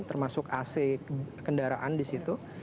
termasuk ac kendaraan di situ